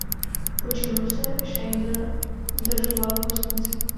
Po činu se Schneider zdržoval v hostinci.